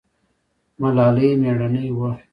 ملالۍ میړنۍ وه